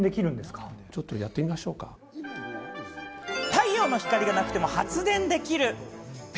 太陽の光がなくても発電できる。